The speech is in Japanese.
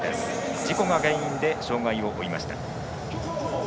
事故が原因で障がいを負いました。